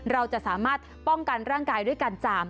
เราจะสามารถป้องกันร่างกายด้วยการจาม